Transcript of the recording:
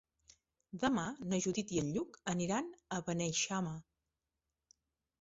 Demà na Judit i en Lluc aniran a Beneixama.